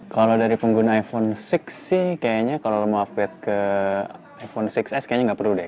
kalau dari pengguna iphone enam sih kayaknya kalau mau upgrade ke iphone enam s kayaknya nggak perlu deh